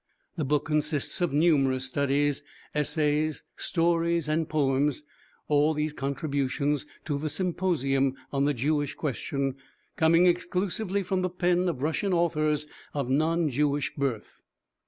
The book consists of numerous studies, essays, stories and poems, all these contributions to the symposium on the Jewish question coming exclusively from the pen of Russian authors of non Jewish birth.